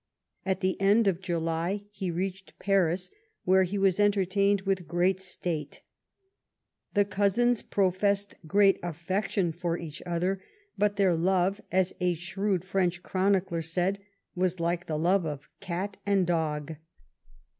At the end of July he reached Paris, where he was entertained with great state. The cousins professed great affection for each other, but their love, as a shrewd French chronicler said, was like the love of cat and dog.